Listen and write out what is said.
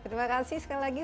terima kasih sekali lagi